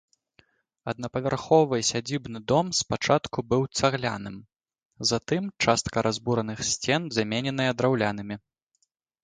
Аднапавярховы сядзібны дом спачатку быў цагляным, затым частка разбураных сцен замененая драўлянымі.